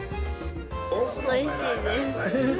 おいしいです。